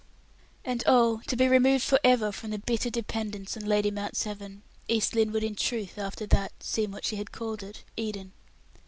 And oh! to be removed forever from the bitter dependence on Lady Mount Severn East Lynne would in truth, after that, seem what she had called it: Eden.